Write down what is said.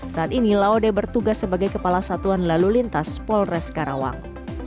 saat ini laude bertugas sebagai kepala satuan lalu lintas polres karawang